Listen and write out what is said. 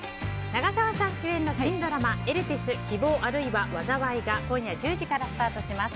長澤さん主演の新ドラマ「エルピス‐希望、あるいは災い‐」が今夜１０時からスタートします。